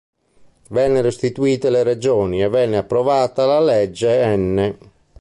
Vennero istituite le Regioni e venne approvata la legge n.